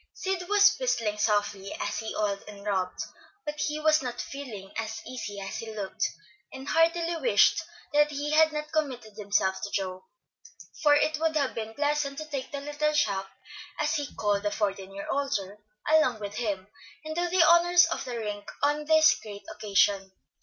Sid was whistling softly as he oiled and rubbed, but he was not feeling as easy as he looked, and heartily wished that he had not committed himself to Joe, for it would have been pleasant to take "the little chap," as he called the fourteen year older, along with him, and do the honors of the rink on this great occasion.